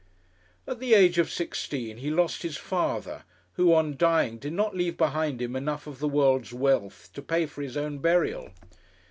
At the age of sixteen he lost his father, who, on dying, did not leave behind him enough of the world's wealth to pay for his own burial.